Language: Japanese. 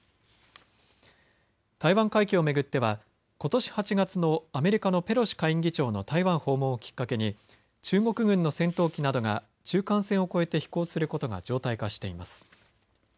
台湾海峡を巡ってはことし８月のアメリカのペロシ下院議長の台湾訪問をきっかけに中国軍の戦闘機などが中間線を越えて飛行することが常態化しています。